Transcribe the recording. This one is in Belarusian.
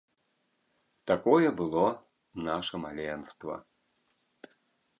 Такое было наша маленства.